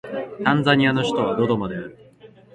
タンザニアの首都はドドマである